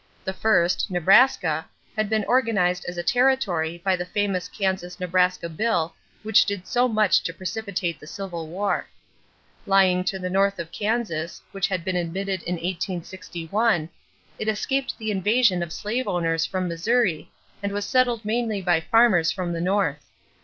The first, Nebraska, had been organized as a territory by the famous Kansas Nebraska bill which did so much to precipitate the Civil War. Lying to the north of Kansas, which had been admitted in 1861, it escaped the invasion of slave owners from Missouri and was settled mainly by farmers from the North.